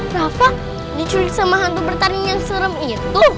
rafa diculik sama hantu bertaring yang serem itu